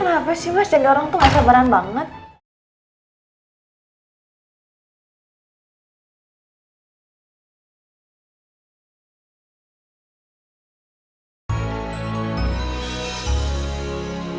aku kenapa sih mas yang dorong tuh gak sabaran banget